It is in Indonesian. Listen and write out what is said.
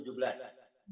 jadi ada tujuh belas